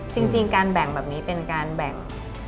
จริงการแบ่งแบบนี้เป็นการแบ่ง